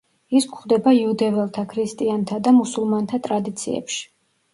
ის გვხვდება იუდეველთა, ქრისტიანთა და მუსულმანთა ტრადიციებში.